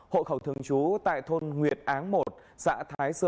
hộ khẩu thường trú tại thôn nguyệt áng một xã thái sơn